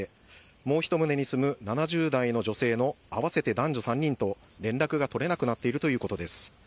もう１棟に住む７０代の女性の合わせて男女３人と連絡が取れなくなっているということです。